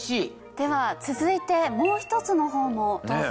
では続いてもう一つのほうもどうぞ。